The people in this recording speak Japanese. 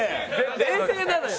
冷静なのよ。